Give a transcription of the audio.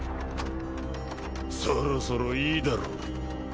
そろそろいいだろ？